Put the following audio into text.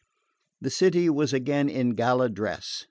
The city was again in gala dress.